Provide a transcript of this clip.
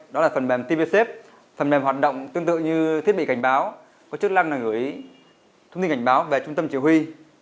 đó là phần mềm tvsaf phần mềm hoạt động tương tự như thiết bị cảnh báo có chức năng là gửi thông tin cảnh báo về trung tâm chỉ huy